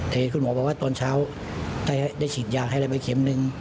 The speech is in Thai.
เทศคุณหมอบอกว่าตอนเช้าได้ฉีดยาให้ละบะเข็มหนึ่ง